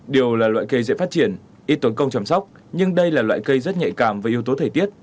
điều là loại cây dễ phát triển ít tốn công chăm sóc nhưng đây là loại cây rất nhạy cảm với yếu tố thời tiết